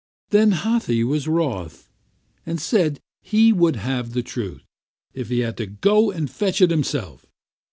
Then Hathi was wroth, and said he would have the truth, if he had to go and fetch it himself.